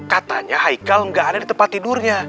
katanya haikal nggak ada di tempat tidurnya